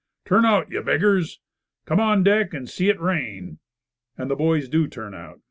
Turn out, you beggars. Come on deck and see it rain." And the boys do turn out.